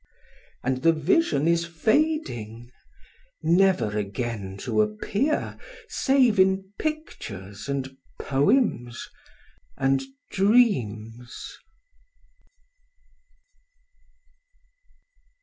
And the Vision is fading,—never again to appear save in pictures and poems and dreams...